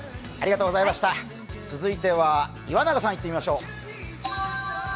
続いては岩永さんいってみましょう。